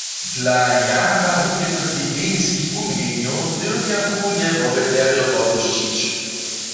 Dla jara hubjenych hygieniskich wuměnjenjow dyrbjachu je wobydlerjo wopušćić.